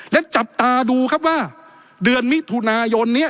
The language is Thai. และจับตาดูครับว่าเดือนมิถุนายนนี้